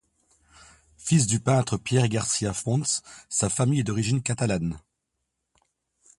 Fils du peintre Pierre Garcia-Fons, sa famille est d'origine catalane.